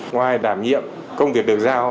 ngoài đảm nhiệm công việc được giao